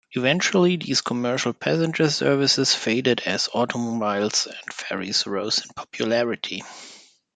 Eventually these commercial passenger services faded as automobiles and ferries rose in popularity.